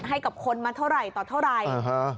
ให้กับคนมาเท่าไหร่ต่อเท่าไหร่